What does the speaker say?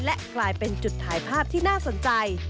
และกลายเป็นจุดถ่ายภาพที่น่าสนใจ